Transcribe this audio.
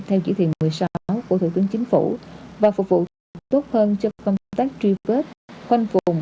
theo chỉ thị một mươi sáu của thủ tướng chính phủ và phục vụ tốt hơn cho công tác truy vết khoanh vùng